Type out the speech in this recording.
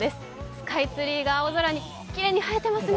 スカイツリーが青空にきれいに映えてますね。